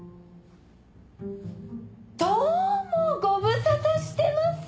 どうもご無沙汰してます。